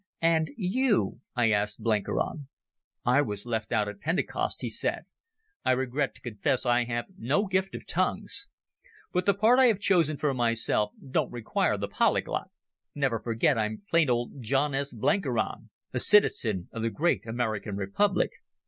"And you?" I asked Blenkiron. "I was left out at Pentecost," he said. "I regret to confess I have no gift of tongues. But the part I have chosen for myself don't require the polyglot. Never forget I'm plain John S. Blenkiron, a citizen of the great American Republic."